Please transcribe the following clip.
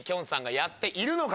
やっているのか？